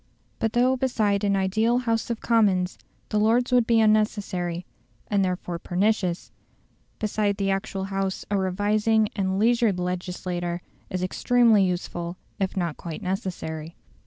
But though beside an ideal House of Commons the Lords would be unnecessary, and therefore pernicious, beside the actual House a revising and leisured legislature is extremely useful, if not quite necessary.